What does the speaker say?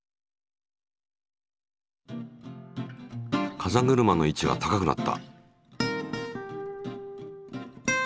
風車の位置が高くなった。